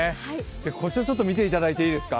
こちら見ていただいていいですか。